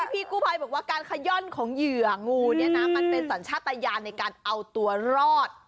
พี่กู้ภัยบอกว่าการขย่อนของเหยื่องูเนี่ยนะมันเป็นสัญชาติยานในการเอาตัวรอด